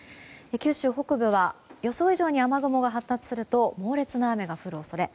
九州北部は予想以上に雨雲が発達すると猛烈な雨が降る恐れ。